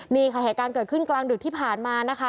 นี่ค่ะเหตุการณ์เกิดขึ้นกลางดึกที่ผ่านมานะคะ